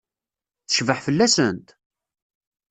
Tecbeḥ fell-asent?